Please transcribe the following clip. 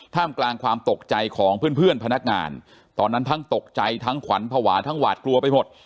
กลางความตกใจของเพื่อนพนักงานตอนนั้นทั้งตกใจทั้งขวัญภาวะทั้งหวาดกลัวไปหมด